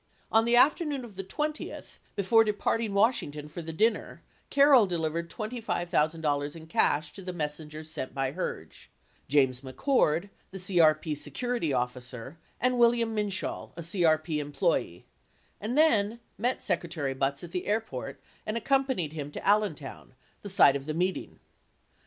On the afternoon of the 20th, before depart ing Washington for the dinner, Carroll delivered $25,000 in cash to the messengers sent by Herge — James McCord, the CRP security of ficer, and William Minshall, a CRP employee — and then met Secretary Butz at the airport and accompanied him to Allentown, the site of the meeting.